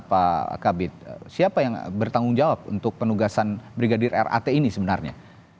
pak kabit siapa yang bertanggung jawab untuk penugasan brigadir rat ini sebenarnya